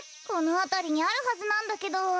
このあたりにあるはずなんだけど。